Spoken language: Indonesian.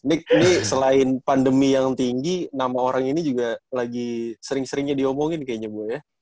ini selain pandemi yang tinggi nama orang ini juga lagi sering seringnya diomongin kayaknya bu ya